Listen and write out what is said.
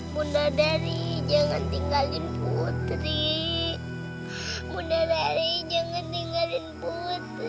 bunda dari jangan tinggalin putri bunda dari jangan tinggalin putu